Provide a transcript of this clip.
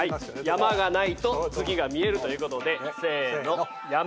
山がないと月が見えるということでせーの。